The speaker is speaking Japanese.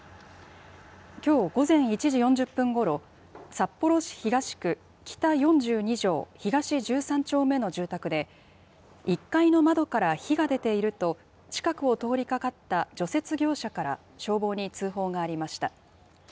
きょう午前１時４０分ごろ、札幌市東区北４２条東１３丁目の住宅で、１階の窓から火が出ていると、近くを通りかかった除雪業者から、消防に通報がありました。